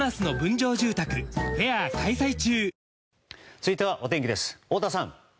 続いては、お天気です太田さん。